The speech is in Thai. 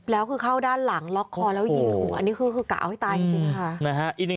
แล้วเข้าด้านหลังล็อกคอแล้วยิงอันนี้กล่าวให้ตายจริงค่ะ